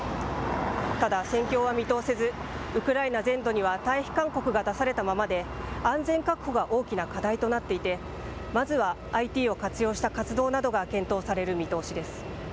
ただ、戦況は見通せず、ウクライナ全土には退避勧告が出されたままで、安全確保が大きな課題となっていて、まずはＩＴを活用した活動などが検討される見通しです。